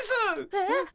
えっ？